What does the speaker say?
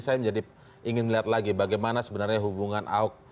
saya menjadi ingin lihat lagi bagaimana sebenarnya hubungan ahok